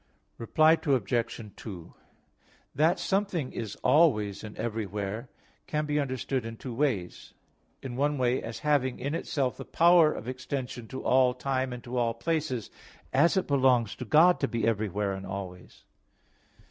Reply Obj. 2: That something is always and everywhere, can be understood in two ways. In one way, as having in itself the power of extension to all time and to all places, as it belongs to God to be everywhere and always.